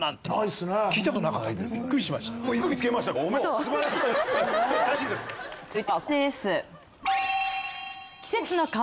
すばらしい！